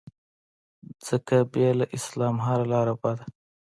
ځکه بې له اسلام هره لاره بده